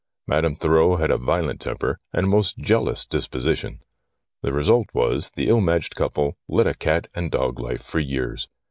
Madame Thurreau had a violent temper and a most jealous disposition. The result was, the ill matched couple led a cat and dog life for years.